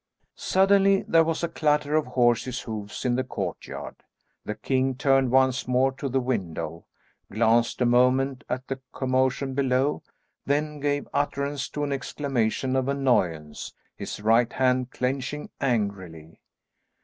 Suddenly there was a clatter of horse's hoofs in the courtyard. The king turned once more to the window, glanced a moment at the commotion below, then gave utterance to an exclamation of annoyance, his right hand clenching angrily.